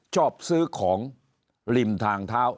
ชอบซื้อของริมทางเท้า